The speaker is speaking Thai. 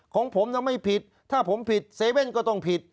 ของผมมันไม่ผิดถ้าผมผิด๗๑๑ก็ต้องผิด